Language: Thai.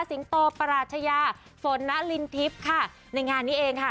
จิงโตปราชยฟนลินทิศค่ะในงานนี้เองค่ะ